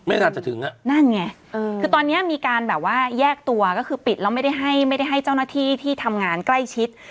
ไม่ทักจะถึงอะนั่งไงคือตอนนี้มีการแบบว่าแยกตัวก็คือปิดแล้วไม่ได้ให้เจ้าหน้าที่ที่ทำงานใกล้ชิด